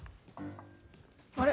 あれ？